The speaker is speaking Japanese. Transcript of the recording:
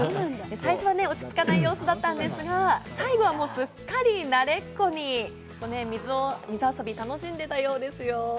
最初は落ち着かない様子だったんですが最後はすっかり慣れっこに水遊び、楽しんでたようですよ。